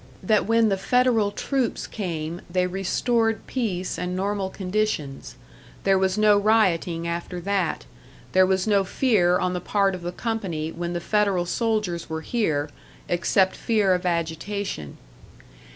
That when the Federal troops came, they restored peace and normal conditions; there was no rioting after that, there was no fear on the part of the company when the Federal soldiers were here, except fear of agitation.